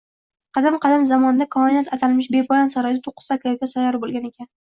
Qadim-qadim zamonda Koinot atalmish bepoyon saroyda to'qqizta aka-uka sayyora boʻlgan ekan